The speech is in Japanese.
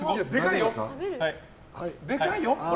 でかいよ。